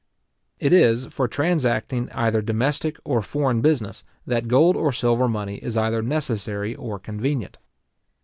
It is for transacting either domestic or foreign business, that gold or silver money is either necessary or convenient.